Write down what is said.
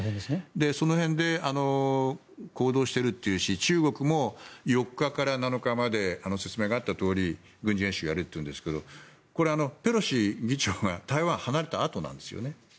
その辺で行動しているというし中国も４日から７日まで説明があったとおり軍事演習をやるというんですがこれはペロシ議長が台湾を離れたあとなんですよね。